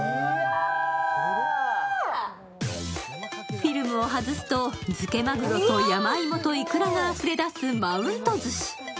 フィルムを外すと、漬けマグロと山芋といくらがあふれ出すマウントずし。